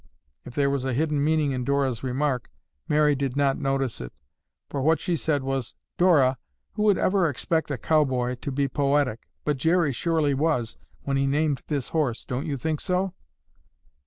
If there was a hidden meaning in Dora's remark, Mary did not notice it, for what she said was, "Dora, who would ever expect a cowboy to be poetic, but Jerry surely was when he named this horse, don't you think so?"